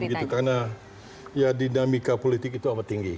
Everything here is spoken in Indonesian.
saya rasa begitu karena dinamika politik itu amat tinggi